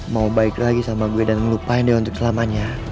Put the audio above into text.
mau baik lagi sama gue dan lupain dia untuk selamanya